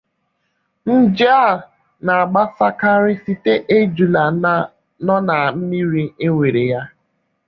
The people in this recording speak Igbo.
Nje a n'agbasakarị site ejula nọ na mmiri enwere ya.